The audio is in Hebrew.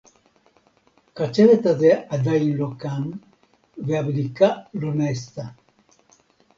הצוות הזה עדיין לא קם והבדיקה לא נעשתה